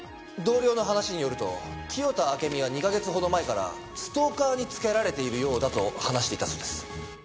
同僚の話によると清田暁美は２カ月ほど前からストーカーにつけられているようだと話していたそうです。